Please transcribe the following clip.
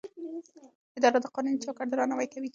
اداره د قانوني چوکاټ درناوی کوي.